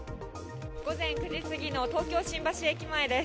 午前９時過ぎの東京・新橋駅前です。